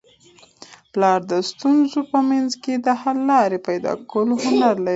پلار د ستونزو په منځ کي د حل لاري پیدا کولو هنر لري.